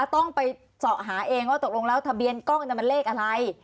ต้องไปเสาะหาเองว่าตกลงแล้วทะเบียนกล้องมันเลขอะไร